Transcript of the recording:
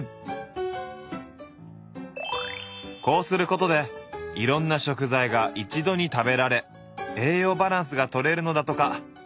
こうすることでいろんな食材が一度に食べられ栄養バランスが取れるのだとか。